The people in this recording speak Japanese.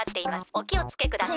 おきをつけください。